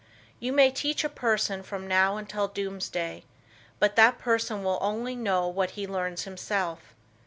You may teach a person from now until doom's day, but that person will only know what he learns himself.